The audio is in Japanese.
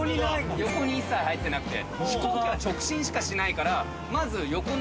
横に一切入ってなくて。